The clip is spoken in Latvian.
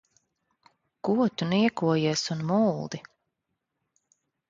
Ko tu niekojies un muldi?